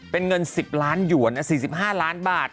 เป็นเงิน๑๐ล้านหยวน๔๕ล้านบาท